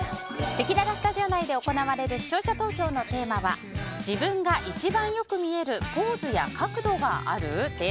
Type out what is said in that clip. せきららスタジオ内で行われる視聴者投票のテーマは自分が一番よく見える“ポーズ”や“角度”がある？